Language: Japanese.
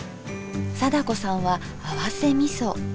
貞子さんは合わせみそ。